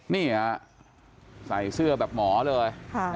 นี่ฮะใส่เสื้อแบบหมอเลย